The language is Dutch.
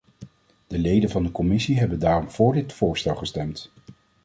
De leden van de commissie hebben daarom voor dit voorstel gestemd.